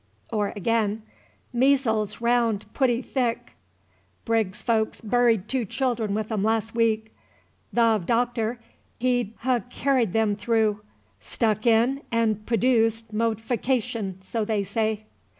Or again, "Measles raound pooty thick. Briggs's folks buried two children with 'em lass' week. Th' of Doctor, he'd h' ker'd 'em threugh. Struck in 'n' p'dooced mo't'f'cation, so they say."